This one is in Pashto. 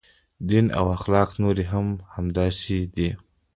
دین او اخلاق نورې هم همداسې دي.